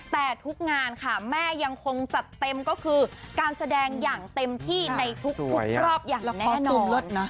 แต่ทุกงานค่ะแม่ยังคงจัดเต็มก็คือการแสดงอย่างเต็มที่ในทุกรอบอย่างแน่นอน